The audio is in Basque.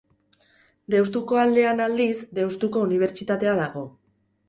Deustuko aldean, aldiz, Deustuko Unibertsitatea dago.